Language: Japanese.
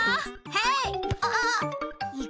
はい。